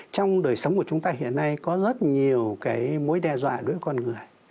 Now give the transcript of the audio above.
trong đời sống của chúng ta hiện nay có rất nhiều cái mối đe dọa đối với con người